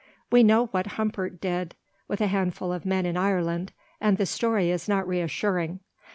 We know what Humbert did with a handful of men in Ireland, and the story is not reassuring.